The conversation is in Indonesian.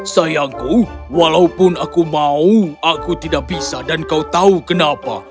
sayangku walaupun aku mau aku tidak bisa dan kau tahu kenapa